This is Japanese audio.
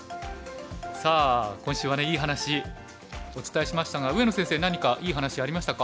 さあ今週はいい話お伝えしましたが上野先生何かいい話ありましたか？